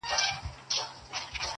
• او که ریشتیا درته ووایم -